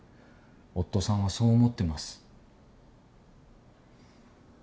夫さんはそう思ってます。